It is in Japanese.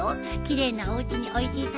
奇麗なおうちにおいしい